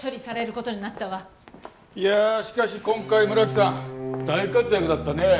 いやあしかし今回村木さん大活躍だったね。